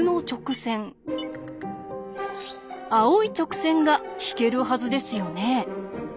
青い直線が引けるはずですよね。